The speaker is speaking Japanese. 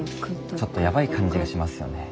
ちょっとヤバい感じがしますよねぇ。